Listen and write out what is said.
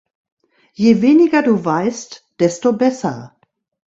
Je weniger du weißt, desto besser.